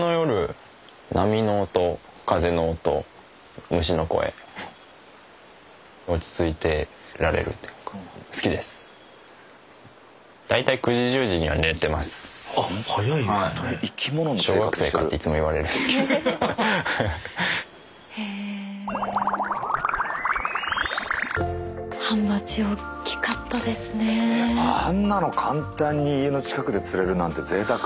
あんなの簡単に家の近くで釣れるなんてぜいたく。